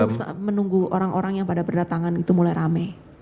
terus menunggu orang orang yang pada berdatangan itu mulai rame